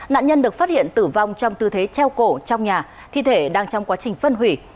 nạn nhân được phát hiện tử vong trong tư thế treo cổ trong nhà thi thể đang trong quá trình phân hủy